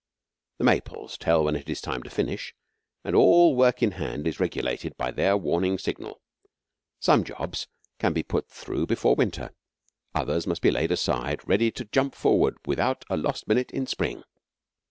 The maples tell when it is time to finish, and all work in hand is regulated by their warning signal. Some jobs can be put through before winter; others must be laid aside ready to jump forward without a lost minute in spring.